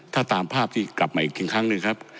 ถ้าตามภาพที่กลับมาอีกครั้งหนึ่งครับ